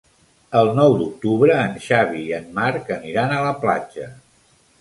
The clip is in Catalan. El nou d'octubre en Xavi i en Marc aniran a la platja.